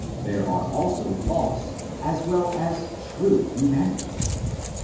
There is also false, as well as true humanity.